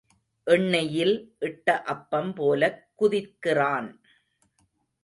எண்ணெயில் இட்ட அப்பம் போலக் குதிக்கிறான்.